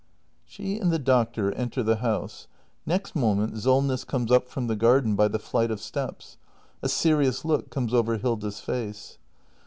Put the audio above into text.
She and the doctor enter the house. Next moment Sol ness comes up from the garden by the flight of steps. A serious look comes over Hilda's face.